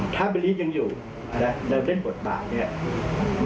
ถ้าบิลลี่ยังอยู่แล้วเล่นบทบาทนี่